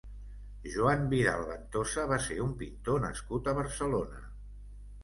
Joan Vidal Ventosa va ser un pintor nascut a Barcelona.